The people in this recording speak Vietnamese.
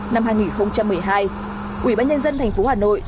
năm hai nghìn một mươi hai ủy ban nhân dân thành phố hà nội